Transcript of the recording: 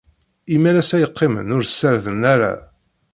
Imalas ay qqimen ur ssarden ara.